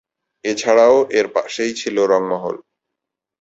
এছাড়াও এর পাশেই ছিলো রঙ মহল।